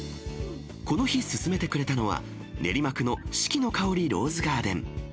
この日、勧めてくれたのは、練馬区の四季の香ローズガーデン。